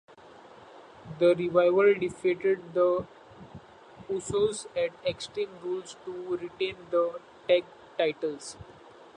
The Revival defeated The Usos at Extreme Rules to retain the tag titles.